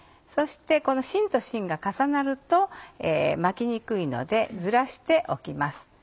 そして芯と芯が重なると巻きにくいのでずらして置きます。